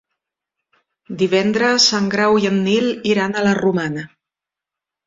Divendres en Grau i en Nil iran a la Romana.